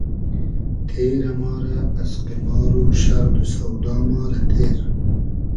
تېرۂ ما رۂ از قیمار و شئرد و سۆدا ما رۂ تیر